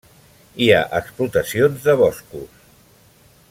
Hi ha explotacions de boscos.